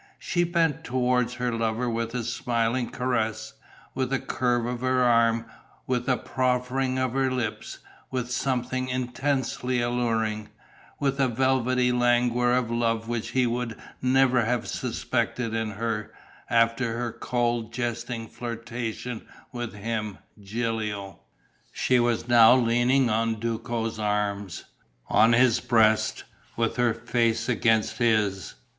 She bent towards her lover with a smiling caress, with a curve of her arm, with a proffering of her lips, with something intensely alluring, with a velvety languor of love which he would never have suspected in her, after her cold, jesting flirtation with him, Gilio. She was now leaning on Duco's arms, on his breast, with her face against his....